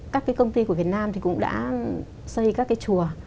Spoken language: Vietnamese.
các cái công ty của việt nam thì cũng đã xây các cái chùa